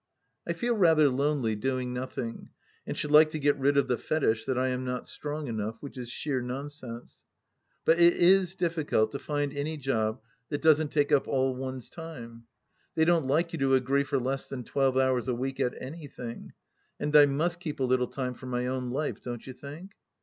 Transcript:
I feel rather lonely, doing nothing, and should like to get rid of the fetish that I am not strong enough, which is sheer nonsense. But it is diflScult to find any job that doesn't take up aU one's time. They don't like you to agree for less than twelve hours a week at anything, and I mitst keep a little time for my own life, don't you think